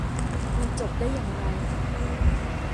มันจบได้อย่างไร